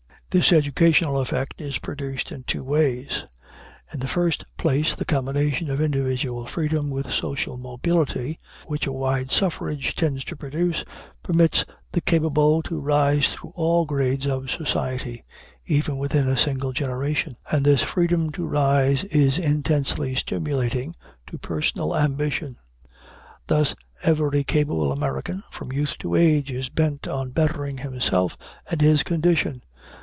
This educational effect is produced in two ways: In the first place, the combination of individual freedom with social mobility, which a wide suffrage tends to produce, permits the capable to rise through all grades of society, even within a single generation; and this freedom to rise is intensely stimulating to personal ambition. Thus every capable American, from youth to age, is bent on bettering himself and his condition.